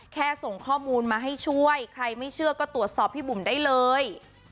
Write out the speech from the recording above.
ส่งข้อมูลมาให้ช่วยใครไม่เชื่อก็ตรวจสอบพี่บุ๋มได้เลย